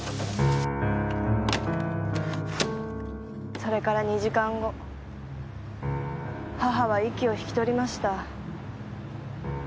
それから２時間後母は息を引き取りました。